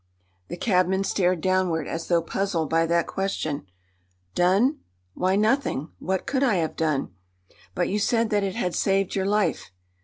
The cabman stared downward, as though puzzled by that question. "Done? Why, nothing. What could I have done?" "But you said that it had saved your life."